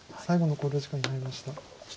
最後の考慮時間に入りました。